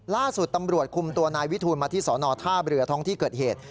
ล่าสุดตำรวจคุมตัวนายวิทูลมาที่สอนอท่าเรือท้องที่เกิดเหตุ